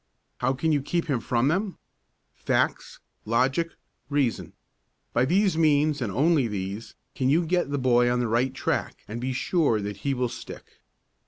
How can you keep him from them? Facts, logic, reason. By these means and only these, can you get the boy on the right track and be sure that he will stick.